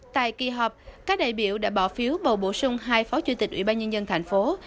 tại kỳ họp các đại biểu đã bỏ phiếu bầu bổ sung hai phó chủ tịch ủy ban nhân dân thành phố